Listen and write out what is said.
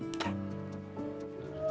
untuk saya sendiri